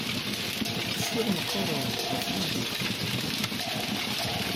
Tecfiḍ meqqar ɣef Yidir?